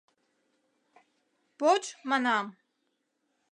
Поч, манам.